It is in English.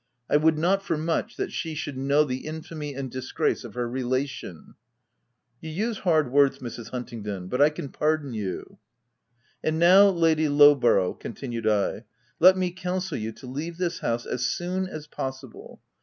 I would not for much that she should know the infamy and disgrace of her relation !"" You use hard words, Mrs. Huntingdon — but I can pardon you." " And now Lady Lowborough," continued I, " let me counsel you to leave this house as soon as possible.